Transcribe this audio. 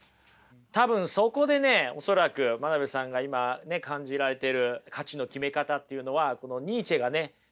多分そこでね恐らく真鍋さんが今ね感じられてる価値の決め方っていうのはこのニーチェがね提起した